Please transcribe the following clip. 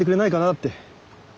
って。